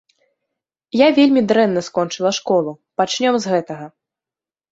Я вельмі дрэнна скончыла школу, пачнём з гэтага.